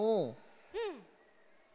うん。